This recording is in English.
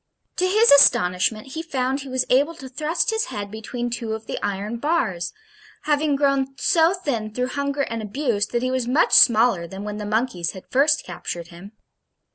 To his astonishment he found he was able to thrust his head between two of the iron bars, having grown so thin through hunger and abuse, that he was much smaller than when the monkeys had first captured him.